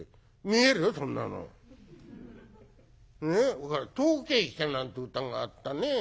それから『遠くへ行きたい』なんて歌があったね。